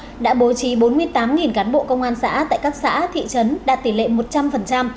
công an sáu mươi ba tỉnh thành phố trực thuộc trung ương đã bố trí bốn mươi tám cán bộ công an xã tại các xã thị trấn đạt tỷ lệ một trăm linh